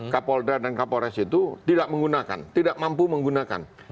kapolda dan kapolres itu tidak menggunakan tidak mampu menggunakan